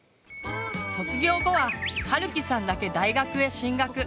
卒業後ははるきさんだけ大学へ進学。